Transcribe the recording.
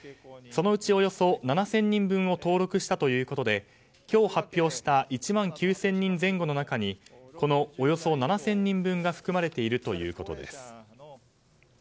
そのうちおよそ７０００人分を登録したということで今日発表した１万９０００人前後の中にこのおよそ７０００人分が含まれているということです。